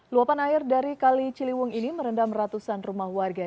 luapan air dari kali ciliwung ini merendam ratusan rumah warga